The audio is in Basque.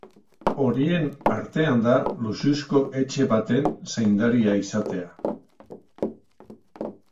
Horien artean da luxuzko etxe baten zaindaria izatea.